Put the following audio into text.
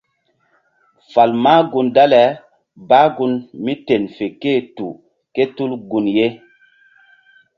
Fal mah gun dale bah gun míten fe ké-e tu ké tul gun ye.